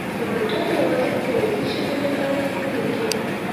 کمپیوټر یوازې د ریاضي ژبې له لارې پوهېږي.